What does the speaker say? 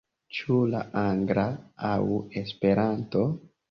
Ĉu la angla aŭ Esperanto?